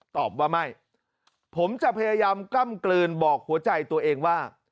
ตอบว่าไม่ผมจะพยายามกล้ำกลืนบอกหัวใจตัวเองว่า